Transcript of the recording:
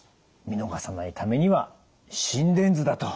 見逃さないためには心電図だと。